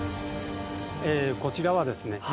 こちらはですね